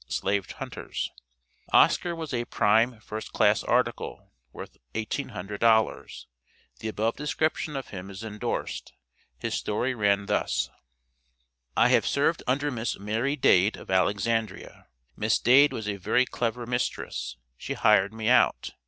slave hunters. Oscar was a "prime, first class article," worth $1800. The above description of him is endorsed. His story ran thus: "I have served under Miss Mary Dade, of Alexandria Miss Dade was a very clever mistress, she hired me out.